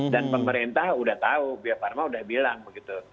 dan pemerintah sudah tahu bio farma sudah bilang begitu